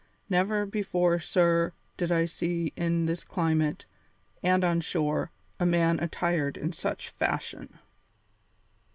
Never before, sir, did I see in this climate, and on shore, a man attired in such fashion."